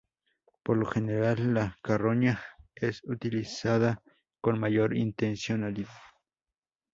Por lo general la carroña es utilizada con mayor intencionalidad.